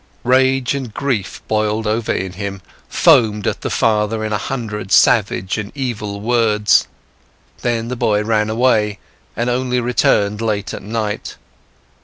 Rage and grief boiled over in him, foamed at the father in a hundred savage and evil words. Then the boy ran away and only returned late at night.